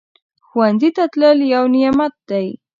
ښوونځی ته تلل یو نعمت دی